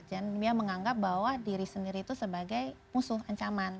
dia menganggap bahwa diri sendiri itu sebagai musuh ancaman